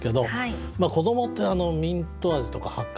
子どもってミント味とか薄荷味